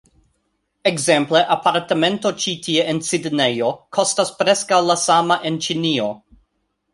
Ekzemple, apartamento ĉi tie en Sidnejo, kostas preskaŭ la sama en Ĉinio